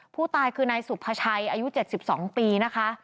ผู้ตายคือนายสุภาชัยอายุ๗๒ปีนะคะ